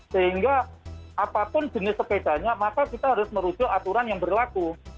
sehingga apapun jenis sepedanya maka kita harus merujuk aturan yang berlaku